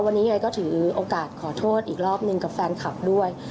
วันนี้ยังไงก็ถือโอกาสขอโทษอีกรอบหนึ่งกับแฟนคลับด้วย